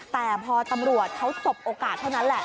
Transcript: แต่พอตำรวจเขาสบโอกาสเท่านั้นแหละ